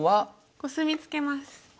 コスミツケます。